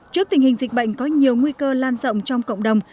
trước tình hình dịch bệnh có nhiều nguy cơ lan rộng trong cộng đồng